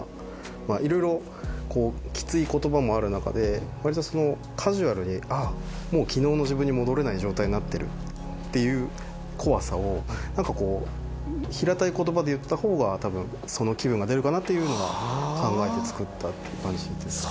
いろいろきつい言葉もある中で割とそのカジュアルに「あぁもう昨日の自分に戻れない状態になってる」っていう怖さを何かこう平たい言葉で言ったほうが多分その気分が出るかなというのが考えて作ったって感じですかね。